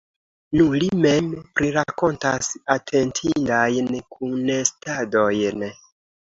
Nu, li mem prirakontas atentindajn kunestadojn.